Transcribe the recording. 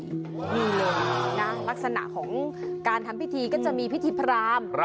นี่เลยนะลักษณะของการทำพิธีก็จะมีพิธีพราม